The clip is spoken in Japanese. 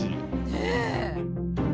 ねえ。